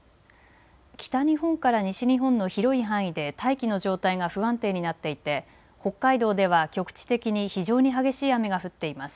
北日本から西日本の広い範囲で大気の状態が不安定になっていて北海道では局地的に非常に激しい雨が降っています。